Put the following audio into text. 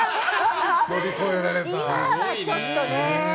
今はちょっとね。